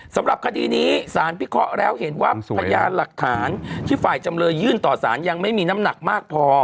สำหรับคดีนี้สารพิเคราะห์แล้วเห็นว่าพยานหลักฐานที่ฝ่ายจำเลยยื่นต่อสารยังไม่มีน้ำหนักมากพอ